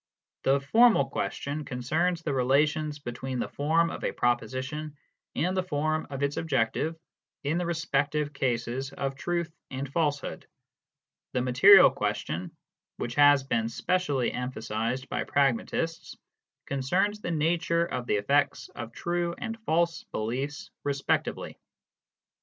The formal question concerns the relations between the form of a proposition and the form of its objective in the respective cases of truth and falsehood ; the material question, which has been specially emphasised by pragmatists, concerns the nature of the effects of true and false beliefs respectively.